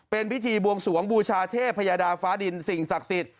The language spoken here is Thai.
เป็นพิธีบวงสวงบูชาเทพยดาฟ้าดินสิ่งศักดิ์สิทธิ